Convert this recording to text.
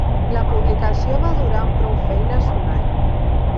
La publicació va durar amb prou feines un any.